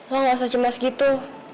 lo gak usah cemas gitu